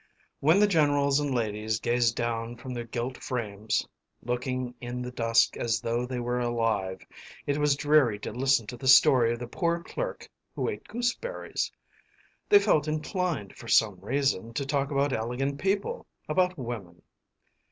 When the generals and ladies gazed down from their gilt frames, looking in the dusk as though they were alive, it was dreary to listen to the story of the poor clerk who ate gooseberries. They felt inclined, for some reason, to talk about elegant people, about women.